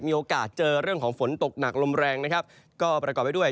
มีโอกาสเจอเรื่องของฝนตกหนักลมแรงนะครับก็ประกอบไปด้วย